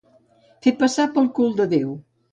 Fer passar pel cul de Déu.